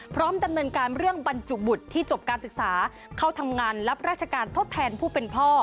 พร้อมดำเนินการเรื่องบรรจุบุตรที่จบการศึกษาเข้าทำงานรับราชการทดแทนผู้เป็นพ่อ